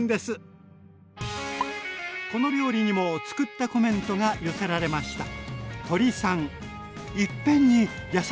この料理にも作ったコメントが寄せられました。